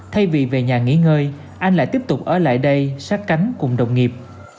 thay vì về nhà nghỉ ngơi anh lại tiếp tục ở lại đây sát cánh cùng đồng nghiệp